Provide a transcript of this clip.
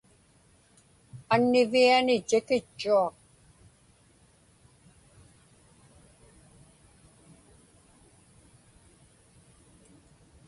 Anniviani tikitchuaq.